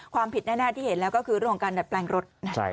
ความผิดแน่ที่เห็นแล้วก็คือเรื่องของการดัดแปลงรถ